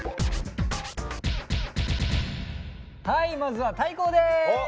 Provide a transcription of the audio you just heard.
はいまずは大光です！